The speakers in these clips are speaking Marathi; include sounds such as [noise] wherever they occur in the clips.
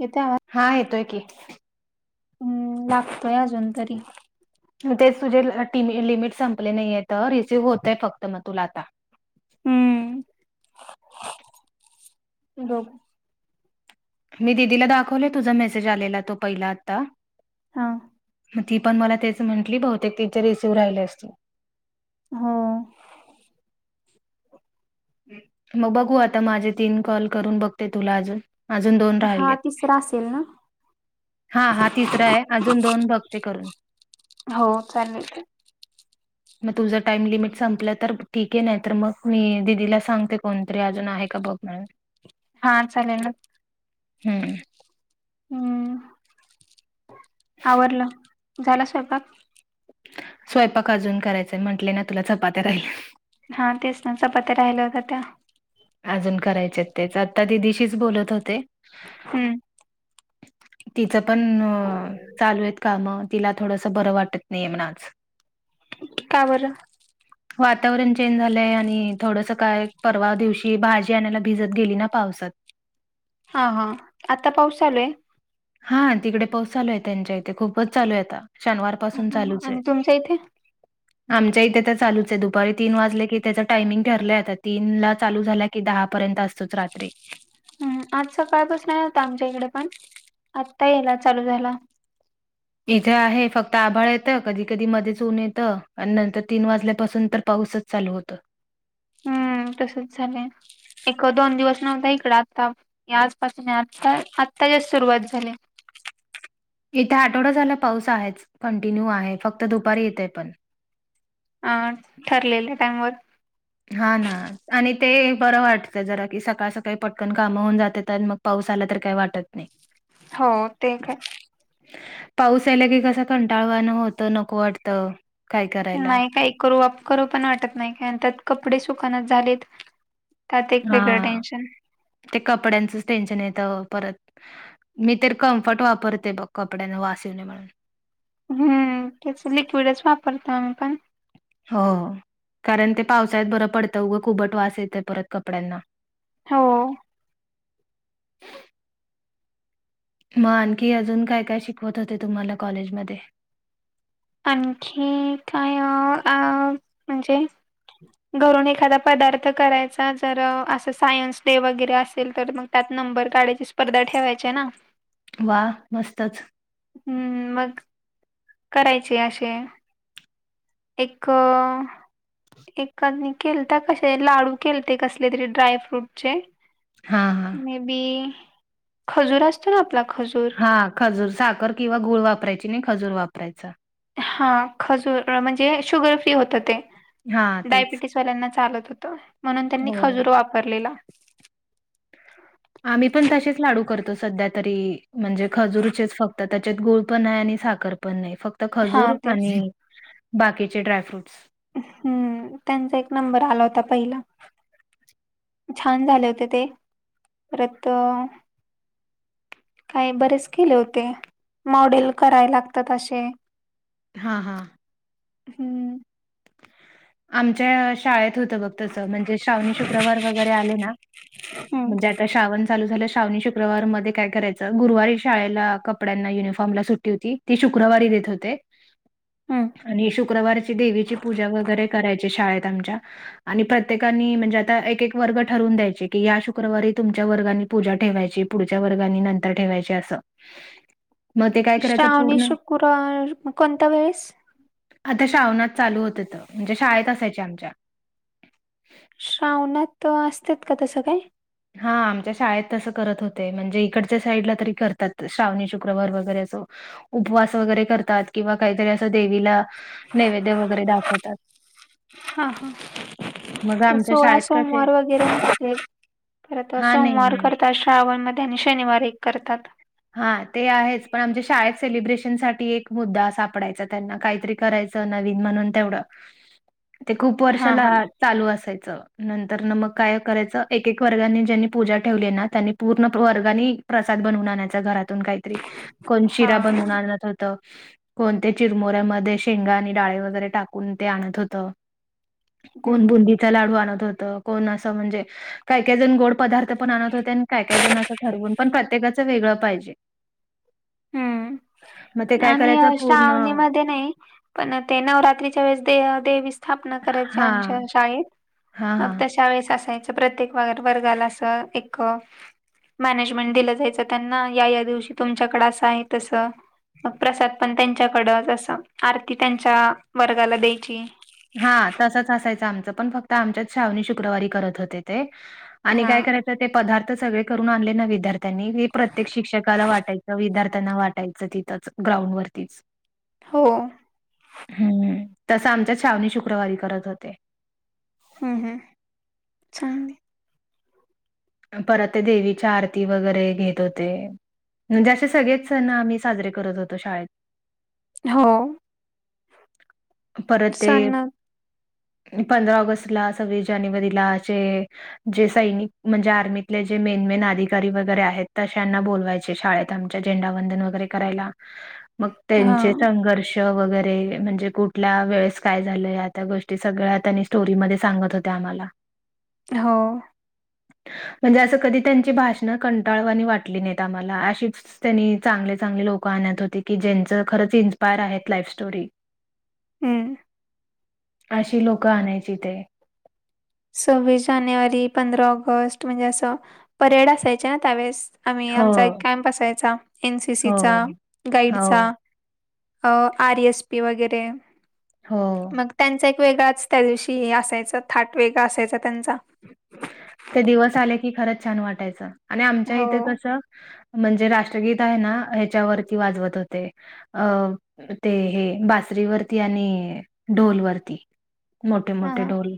येतोय आवाज? हा येतोय की. हम्म लागतोय अजून तरी. तेच तुझे टी लिमिट संपले नाही आहेत. रिसीव्ह होतय फक्त मग तुला आता. हम्म मी दिदीला दाखवले, तुझा मेसेज आलेला तो पहिला आता. हा मग ती पण मला तेच म्हटली बहुतेक तिचे रिसीव्ह राहिले असतील. हो मग बघू आता, माझे तीन कॉल करून बघते तुला अजून. अजून दोन हा राहिलेत. तिसरा असेल ना? हा, हा तिसरा आहे. अजून दोन बघते करून. हो चालेल. मग तुझा टाइम लिमिट संपला तर ठीके. नाही तर मग मी दि दीला सांगते कोणतरी अजून आहे का बघ म्हणाव. हा चालेल ना. हम्म हम्म, आवरल झाला स्वयंपाक. स्वयंपाक अजून करायचय म्हटले ना तुला. चपात्या राहील्या. हा तेच ना चपात्या राहिल्या होत्या त्या. अजून करायचे तेच, आता दिदीशीच बोलत होते. हम्म तिच पण चालू आहेत काम. तिला थोडस बर वाटत नाही म्हण आज. का बर [inaudible] वातावरण चेंज झालय. आणि थोडस काय परवा दिवशी भाजी आणायला भिजत गेली ना पावसात. हा हा आता पाऊस चालू आहे. हा तिकडे पाऊस चालू आहे. त्यांच्या इथे खूपच चालू आहे आता. शनिवार पासून हा चालूच आहे. आणि तुमच्या इथे? आमच्या इथे तर चालूच आहे. दुपारी तीन वाजले की त्याच टायमिंग ठरलाय आता. तीनला चालू झाल्या कि दहापर्यंत असतोच रात्री. हम्म, आज सकाळपसन नाही होता आमच्या इकडे पण. आत्ता याला चालू झाला‌. इथे आहे फक्त आभाळ येत. कधी कधी मध्येच ऊन येत. आणि नंतर तीन वाजल्यापासून तर पाऊसच चालू होतो. हम्म तसच झालाय. एक दोन दिवस नव्हता इकड. आत्ता या आजपासून आता आत्ता जस सुरुवात झाली. इथे आठवडा झाला पाऊस आहेच. कंटिन्यू आहे फक्त दुपारी येतय पण. अ ठरलेल्या टाइमवर हा ना आणि ते बर वाटत जरा की, सकाळ सकाळी पटकन काम होऊन जातात. आणि मग पाऊस आला तर काही वाटत नाही. [inaudible] हो ते ऐक आहे. पाऊस आला की कस कंटाळवान होत. नको वाटत. नाही काही करू आप करू पण वाटत नाही. काय अन त्यात कपडे सुकानात झालेत. त्यात एक वेगळ हा टेन्शन ते कपड्यांचच टेन्शन येत हो परत. मी तर कम्फर्ट वापरते बघ, कपड्यांना वास येऊ नये म्हणून. हम्म, त्याच लिक्विडच वापरता का? हो कारण ते पावसाळ्यात बरं पडतं उघं खुबट वास येतंय परत कपड्यांना, हो. म आणखी अजून काय काय शिकवत होते तुम्हाला कॉलेजमध्ये? आणखी काय अ म्हणजे, घरून एखादा पदार्थ करायचा जर असं सायन्स डे वगैरे असेल तर मग. त्यात नंबर काढायची स्पर्धा ठेवायचे ना. वा मस्तच. हम्म मग. करायचे असे एक अ, एकाने केलता कसे लाडू केलते कसले तरी ड्रायफ्रूट चे हा हा मे बी खजूर असतो ना आपला खजूर हा खजूर साखर किंवा गुळ वापरायची नी खजूर वापरायचा. हा खजूर म्हणजे शुगर फ्री होत ते हां, तेच. डायबिटीज वाल्याना चालत होत म्हणून त्यांनी हो. खजुर वापरलेला. [inaudible] आम्ही पण तसेच लाडू करतो सध्या तरी म्हणजे खजुरचेच फक्त त्याच्यात गूळ पण आहे आणि साखर पण नाही फक्त हा खजूर तेच आणि बाकीचे ड्राय फ्रूट्स. हम्म त्यांचा एक नंबर आला होता पहिला. छान झाले होते ते परत अ, काय बरेच केले होते. मॉडेल कराय लागतात असे. हा हा. हम्म. आमच्या शाळेत हुत बग तस, म्हणजे श्रावणी शुक्रवार वगैरे आले ना हम्म म्हणजे आता श्रावन चालू झालं श्रावणी शुकवार मध्ये काय करायचं गुरुवारी शाळेला कपड्यांना युनिफॉर्म ला सुटी होती ती शुक्रवारी देत होते हम्म आणि शुक्रवारीची देवीची पूजा वगैरे करायची शाळेत आमच्या, आणि प्रत्येकानी म्हणजे आता एक एक वर्ग ठरवून द्यायचे की या शुक्रवारी तुमच्या वर्गानी पूजा ठेवायची पुढच्या वर्गानी नंतर ठेवायची असं. मग ते काय करायचं श्रावणी पूर्ण शुक्रवार कोणत्या वेळेस. आता शावणात चालू होते त म्हणजे शाळेत असायची आमच्या. श्रावणात असत्यात का तसं काय? हा आमच्या शाळेत तसं करत होते म्हणजे इकडच्या साईडला तरी करतात श्रावणी शुक्रवार वगैरे अस उपवास वगैरे करतात किंवा काहीतरी असं देवीला नैवेद्य वगैरे दाखवतात. हा हा मग ते आमच्या सोळा शाळेत कसे सोमवार व गेरे आसत्यात, परत हां, नाही, सोमवार नाही. करतात श्रावण मध्ये आणि शनिवार एक करतात. हा ते आहेच पण आमच्या शाळेत सेलिब्रेशन साठी एक मुद्दा सापडायचा त्यांना काहीतरी करायच नवीन म्हणून तेवढं ते खूप हा वर्षाला हा चालू असायचं. नंतर न मग काय करायचं एकक वर्गानी ज्यांनी पूजा ठेवली आहे ना त्यांनी पूर्ण वर्गानी प्रसाद बनवून आणायचा घरातून काहीतरी कोण हा शिरा बनवून आणत होतं, कोण ते चिरमुऱ्यामध्ये शेंगा आणि डाळे वगैरे टाकून ते आणत होत. हम्म कोण हम्म बुंदीचा लाडू आणत होत कोण असं म्हणजे काय काय जण गोड पदार्थ पण आणत होते अन काय काय जण असं ठरवून पण प्रत्येकाच वेगळं पाहिजे. ह, मग ते काय करायचं आम्ही पूर्ण श्रावणे मध्ये नाही पण ते नवरात्रीच्या वेळेस देवा-देवी स्थापना करायच्या हा आमच्या शाळेत. हा मग हा ते त्या वेळेस असायच प्रत्येक व-वर्गाला अस एक मॅनेजमेंट दिलं जायचं त्यांना या या दिवशी तुमच्याकडे असं आहे तसं. मग प्रसाद पण त्यांच्याकडं असं आरती त्यांच्या वर्गाला द्यायची. हा तसंच असायचं आमचं पण फक्त आमच्याच श्रावणी शुक्रवारी करत होते ते. आणि हा काय करायचं ते पदार्थ सगळे करून आणले ना विद्या त्यांनी हे प्रत्येक शिक्षकाला वाटायचं विद्यार्थ्यांना वाटायचं तिथंच ग्राउंड वरतीच. हो. हम्म तस आमच्यात श्रावणी शुक्रवारी करत होते. हम हम छान ये. परत ते देवीच्या आरती वगैरे घेत होते. म्हणजे असे सगळेच सण आम्ही साजरे करत होतो शाळेत. हा. परत ते सण पंधरा ऑगस्टला, सव्वीस जानेवारीला जे जे सैनिक म्हणजे आर्मीतले जे मेनमेन अधिकारी वगैरे आहेत तशांना बोलवायचे शाळेत. त्यांचा झेंडावंदन वगैरे करायला. मग हा त्यांचे संघर्ष वगैरे म्हणजे कु कल्या वेळेस काय झालंय आ त्या गोष्टी सगळ्या त्यांनी स्टोरीमध्ये सांगत होत्या आम्हाला. हा. म्हणजे असं कधी त्यांची भाषण कंटाळवानी वाटली नाही आम्हाला अशीच त्यांनी चांगले-चांगले लोक आणत होते की ज्यांचं खरंच इन्स्पायर आहेत लाईफ स्टोरी. हम्. अशी लोकं आणायची ते. सव्वीस जानेवारी, पंधरा ऑगस्ट म्हणजे असं परेड असायच ना त्यावेळेस. आम्ही हो, आमचा एक कॅम्प असायचा हो, एनसीसीचा हो, गाईडचा. अ आर. एस. पी. वगैरे. हो. मग त्यांचा एक वेगळाच त्या दिवशी हे असायच थाट वेगळा असायचा त्यांचा. ते दिवस आले की खरंच छान वाटायचं आणि आमच्या हो. इथं कस म्हणजे राष्ट्रगीत आहे ना ह्याच्यावरती वाजवत होते अ ते हे बासरीवरती आणि ढोलवरती. हां, मोठे-मोठे हां. ढोले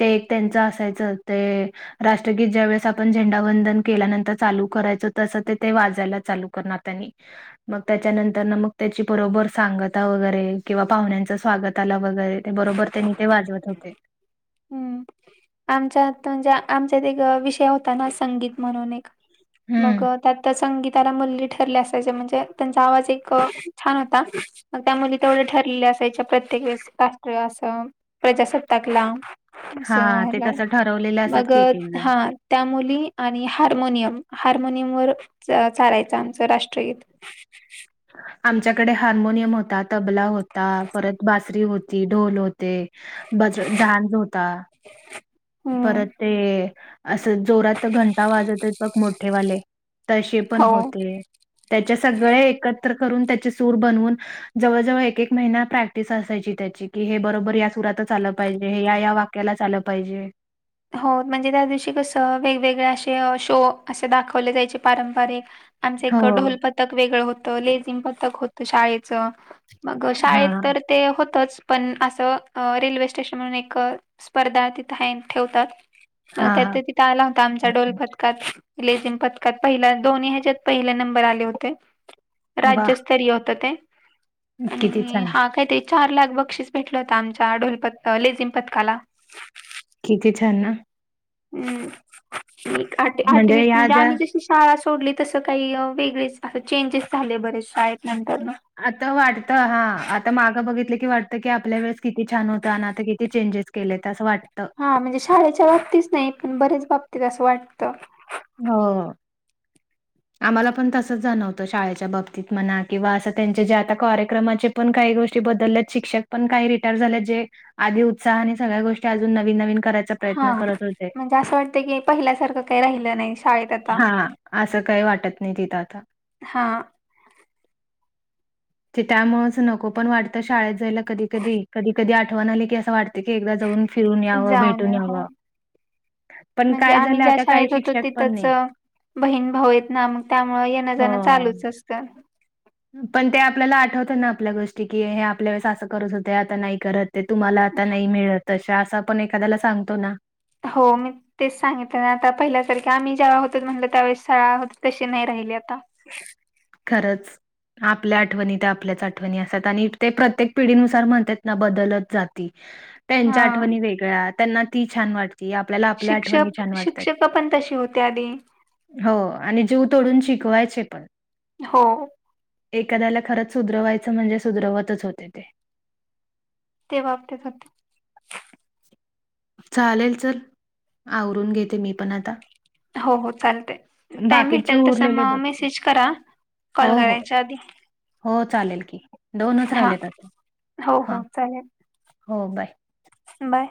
ते एक त्यांच असायचं ते. राष्ट्रगीत ज्या वेळेस आपण झेंडावंदन केल्यानंतर चालू करायचो तसं ते ते वाजायला चालू करणार त्यांनी. मग त्याच्यानंतर मग त्याची बरोबर सांगता वगैरे किंवा पाहुण्यांच स्वागत ला वगैरे ते बरोबर त्यांनी ते वाजवत होते. हम्म, आमच्या म्हणजे आमच्यात एक विषय होता ना संगीत म्हणून एक. मग हम्म. त्यात संगीत त्याला मुलली ठरले असायचे म्हणजे त्यांचा आवाज एक छान होता. मग त्या मध्ये तेवढे ठरलेले असायच्या प्रत्येक वेळस राष्ट्र असं. प्रजासत्ताकला असं हां, ते ह्याला, तसं ठरवलेले असतात मग की एक एक जण. हा. त्या मुली आणि हार्मोनियम, हार्मोनियम वर च-चालायचं आमचं राष्ट्रगीत. आमच्याकडे हार्मोनियम होता, तबला होता परत बासरी होती, ढोल हो ते बज जांज होता हम्म परत ते असं जोरात तर घंटा वाजते बघ मोठेवाले तसे पण हो. होते. त्याच्या सगळे एक त्र करून त्याची सूर बनवून जवळ जवळ एक एक महिना प्रॅक्टिस असायची त्याची की हे बरोबर या सुरातच आलं पाहिजे, हे या या वाक्यालाच आलं पाहिजे. हो म्हणजे त्या दिवशी कसं वेगवेगळे असे शो असे दाखवले जायचे पारंपरिक. आमचं हो, एक ढोल पथक वेगळं होतं लेझिम पथक होतं शाळेचं. मग शाळेत हां, हां, तर ते होतंच पण असं रेल्वे स्टेशन म्हणून एक स्पर्धा तिथं हँग ठेवतात मग हां, त्यात हां. तिथे आला होता आमचा ढोल पथकात. लेझिम पथकात पहिला दोन्ही ह्याच्यात पहिले नंबर आले होते. वाह! राज्यस्तरीय होतं ते किती आणि छान, हा काय चार लाख बक्षीस भेटलं होतं आमच्या ढोलप लेझिम पथकाला. किती छान ना! हम्म एक आठ आठवीत ह्या म्हणजे ज्या आम्ही जस शाळा सोडली तसं काही वेगळेच असं चेंजेस झाले बरेच शाळेत नंतरन. आता वाटतं हां आता मागं बघितलं की वाटतं की आपल्या वेळेस किती छान होत आणि आता किती चेंजेस केलेत असं वाटतं. हा म्हणजे शाळेच्या बाबतीतच नाही पण बरेच बाबतीत असं वाटतं. हो. आम्हाला पण तसंच जाणवतं शाळेच्या बाबतीत म्हणा किंवा असं त्यांचे जे आता कार्यक्रमाचे पण काही गोष्टी बदलल्यात शिक्षक पण काही रिटायर झाल्यात जे आधी उत्साह आणि सगळ्या गोष्टी अजून नवीन नवीन करत हां होते. म्हणजे असं वाटतं की पहिल्यासारखं काही राहिलं नाही शाळेत आता. हां, असं काही वाटत नाही तिथं आता. हां. ते त्यामुळंच नको पण वाटतं शाळेत जायला कधी कधी, कधी कधी आठवण आली की असं वाटतं की एकदा जाऊन फिरून यावं, जाऊन भेटून या. हो यावं. पण म्हणजे काय आम्ही झालं ज्या आता काही शाळेत होतो शिक्षक पण तिथंच नाही. अ, बहीण भाऊ आहेत ना मग त्यामुळं येणं जाणं हो. चालूच असतं. पण ते आपल्याला आठवतं ना आपल्या गोष्टी की हे आपल्या वेळेस असं करत होते आता नाही करत. ते तुम्हाला आता नाही मिळत तशा, असं आपण एखाद्याला सांगतो ना. हो मी तेच सांगितलं ना आता पहिल्यासारखे आम्ही ज्यावेळी होतत म्हटलं त्यावेळेस शाळा होती तशी नाही राहिली आता. [inaudible] खरंच. आपल्या आठवणी ते आपल्याच आठवणी असतात आणि ते प्रत्येक पिढीनुसार म्हणतात ना बदलत जाती. हा त्यांच्या आठवणी वेगळ्या त्यांना ती छान वाटते ते आपल्याला आपल्या आठवणी शिक्षक छान वाटतात. शिक्षक पण तशी होते आधी हो आणि जीव तोडून शिकवायचे पण. हो. एखाद्याला खरंच सुधरवायचं म्हणजे सुधरवतच होते ते. ते वापरत होते. चालेल चल, आवरून घेते मी पण आता. हो हो चालतंय टाइम बाकीचे भेटेल तस उरलेले मग बघते. मेसेज करा कॉल हो हो. करायच्या आधी. हो, चालेल की. दोनच हा राहिले आता. हो हा, हो चालेल हो, बाय. बाय.